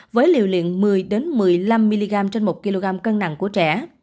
với liều lượng một mươi một mươi năm mg trên một kg cân nặng của trẻ